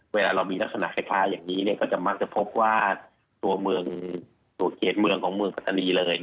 เวลาเรามีลักษณะคล้ายอย่างนี้ก็จะมักจะพบว่าตัวเมืองตัวเขตเมืองของเมืองปัตตานีเลย